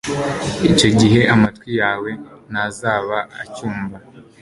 icyo gihe amatwi yawe ntazaba acyumva